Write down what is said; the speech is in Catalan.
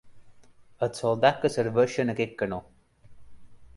Els soldats que serveixen aquest canó.